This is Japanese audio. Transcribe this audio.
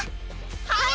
はい！